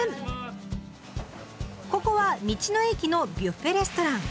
ここは道の駅のビュッフェレストラン。